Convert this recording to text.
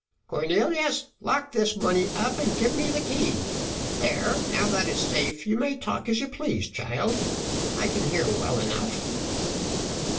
"Cornelius, lock this money up and give me the key: there, now that is safe, you may talk, if you please, child: I can hear well enough."